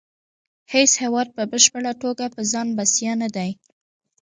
هیڅ هیواد په بشپړه توګه په ځان بسیا نه دی